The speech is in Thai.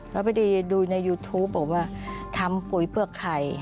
แล้วพอดีดูในยูทูปบอกว่าทำปุ๋ยเปลือกไข่